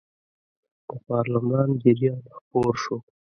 د پارلمان جریان خپور شو.